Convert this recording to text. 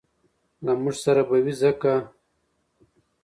له موږ سره به وي ځکه